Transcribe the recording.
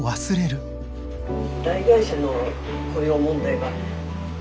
大会社の雇用問題は。